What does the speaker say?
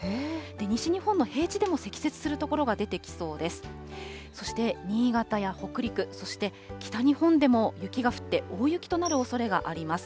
西日本の平地でも積雪する所が出てきそうです。